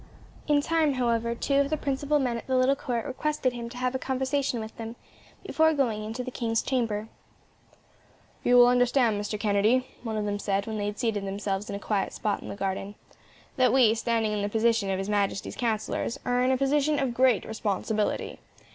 In time, however, two of the principal men at the little court requested him to have a conversation with them, before going into the king's chamber. "You will understand, Mr. Kennedy," one of them said, when they had seated themselves in a quiet spot in the garden; "that we, standing in the position of His Majesty's counsellors, are in a position of great responsibility.